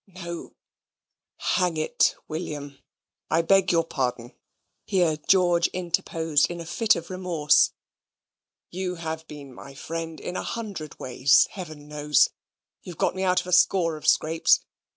"No, hang it, William, I beg your pardon" here George interposed in a fit of remorse; "you have been my friend in a hundred ways, Heaven knows. You've got me out of a score of scrapes.